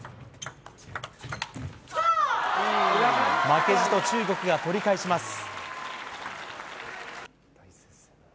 負けじと中国が取り返します。